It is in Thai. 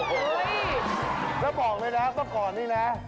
จะบอกเลยนะก่อนนี่นะ